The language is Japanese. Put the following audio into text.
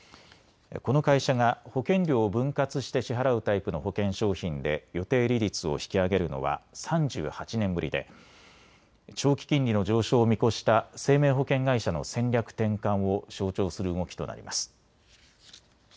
この会社が保険料を分割して支払うタイプの保険商品で予定利率を引き上げるのは３８年ぶりで長期金利の上昇を見越した生命保険会社の戦略転換を象徴する動きとなります。